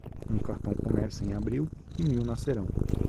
Um cartão começa em abril e mil nascerão.